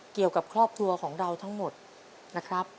เกี่ยวกับครอบครัวของเราทั้งหมดนะครับ